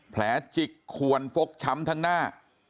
จิกควรฟกช้ำทั้งหน้า